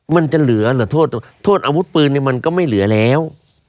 มันจะเหลือหรือโทษโทษอาวุธปืนเนี่ยมันก็ไม่เหลือแล้ว